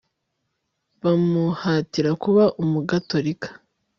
bamuhatira kuba umugatolika